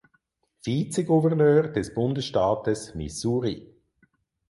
Vizegouverneur des Bundesstaates Missouri.